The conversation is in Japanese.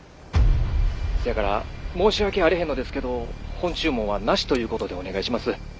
☎せやから申し訳あれへんのですけど本注文はなしということでお願いします。